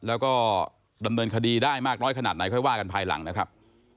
แล้วก็ดำเนินคดีได้มากน้อยขนาดไหนค่อยว่ากันภายหลังนะครับ